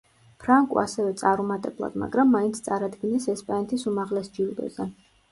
ფრანკო ასევე წარუმატებლად მაგრამ მაინც წარადგინეს ესპანეთის უმაღლეს ჯილდოზე.